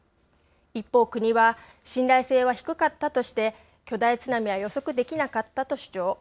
一方、国は信頼性は低かったとして巨大津波は予測できなかったと主張。